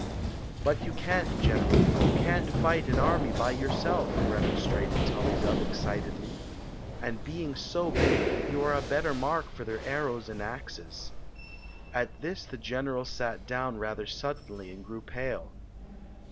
" But you can't, general ; you can t fight an army by yourself!" remonstrated TuUydub, excitedly. "And being so big, you are a better mark for their arrows and axes." At this the general sat down rather suddenly and grew pale.